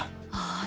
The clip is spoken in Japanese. ああ